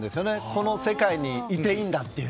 この世界にいていいんだという。